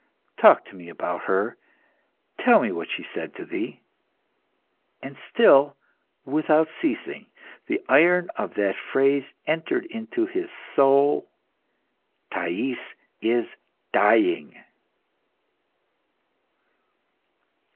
Talk to me about her. Tell me what she said to thee." And still, without ceasing, the iron of that phrase entered into his soul "Thais is dying!"